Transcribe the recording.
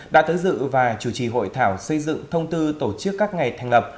đã tới dự và chủ trì hội thảo xây dựng thông tư tổ chức các ngày thành lập